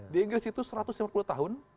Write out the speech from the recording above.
di inggris itu satu ratus lima puluh tahun